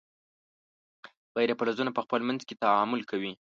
غیر فلزونه په خپل منځ کې تعامل کوي.